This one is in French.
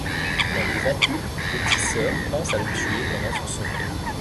N'en pouvant plus le tisseur pense à le tuer pendant son sommeil.